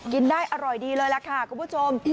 กินได้อร่อยดีเลยล่ะค่ะคุณผู้ชม